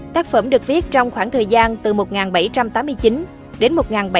tác phẩm được viết trong khoảng thời gian từ một nghìn bảy trăm tám mươi chín đến một nghìn bảy trăm chín mươi tám